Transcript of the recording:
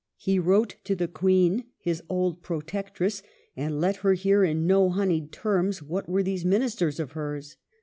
He wrote to the Queen, his old protectress, and let her hear in no honeyed terms what were these ministers of hers.